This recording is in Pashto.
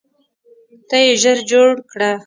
ته یې ژر جوړ کړه.